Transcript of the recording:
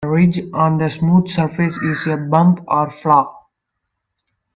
A ridge on a smooth surface is a bump or flaw.